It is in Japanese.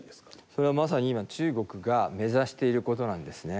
それはまさに今中国が目指していることなんですね。